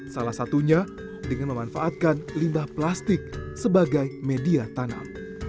salah satunya dengan memanfaatkan limbah plastik sebagai media tanam